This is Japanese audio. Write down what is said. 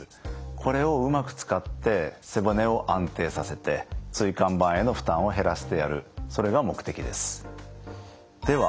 これをうまく使って背骨を安定させて椎間板への負担を減らしてやるそれが目的です。